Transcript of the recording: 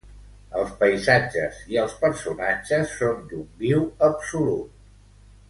Els paisatges i els personatges són d'un viu absolut.